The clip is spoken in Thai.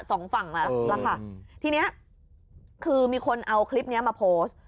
สองฝั่งแล้วล่ะค่ะทีเนี้ยคือมีคนเอาคลิปเนี้ยมาโพสต์